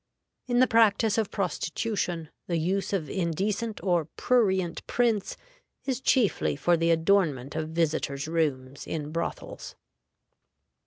In the practice of prostitution, the use of indecent or prurient prints is chiefly for the adornment of visitors' rooms in brothels.